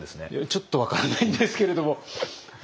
ちょっと分からないんですけれども。